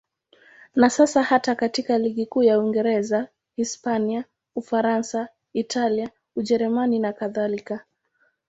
Na sasa hata katika ligi kuu za Uingereza, Hispania, Ufaransa, Italia, Ujerumani nakadhalika.